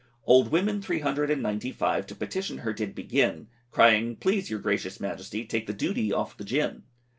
Old women three hundred and ninety five, To petition her did begin, Crying, Please your gracious Majesty, Take the duty off the gin.